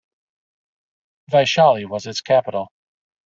Vaishali was its capital.